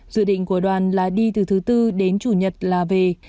dự định của đoàn là đi từ thứ tư đến chủ nhật là về